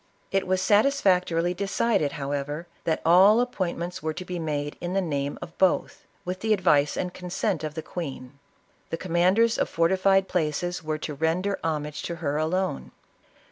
It was satisfactorily decided, however, " that all ap pointments were to be made in the name of both, with the advice and consent of the queen. The command ers of fortified places were to render homage to her alone.